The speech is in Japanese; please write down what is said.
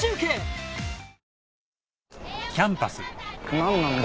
何なんだ？